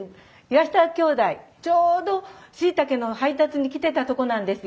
ちょうどしいたけの配達に来てたとこなんですよ。